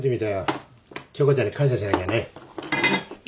京花ちゃんに感謝しなきゃね。